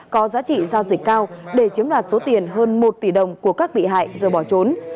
có giá trị giao dịch cao để chiếm đoạt số tiền hơn một tỷ đồng của các bị hại rồi bỏ trốn